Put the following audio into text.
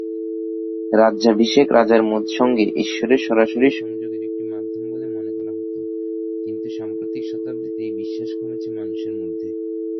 রাজ্যাভিষেক রাজার সঙ্গে ঈশ্বরের সরাসরি সংযোগের একটি মাধ্যম বলে মনে করা হত, কিন্তু সাম্প্রতিক শতাব্দীতে এই বিশ্বাস কমেছে মানুষের মধ্যে।